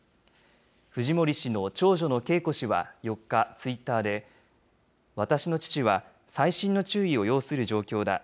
フジモリ氏の長女のケイコ氏は４日、ツイッターで、私の父は細心の注意を要する状況だ。